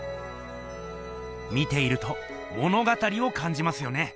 見ていると物語をかんじますよね。